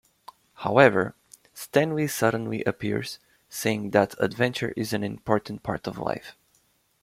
However, Stanley suddenly appears, saying that adventure is an important part of life.